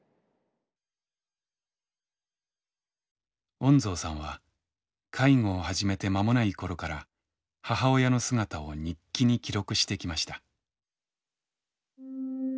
恩蔵さんは介護を始めて間もない頃から母親の姿を日記に記録してきました。